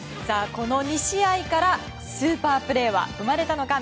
この２試合からスーパープレーは生まれたのか？